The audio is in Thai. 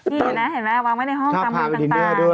ดีนะเห็นไหมวางไว้ในห้องตามพยุกตราซ่อนภาพติดด้วยด้วย